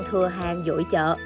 thừa hàng dội chợ